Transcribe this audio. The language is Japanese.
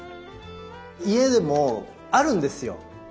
家でもうあるんですよ。